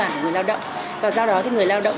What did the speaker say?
và do đó người lao động chỉ có thể trả cho người lao động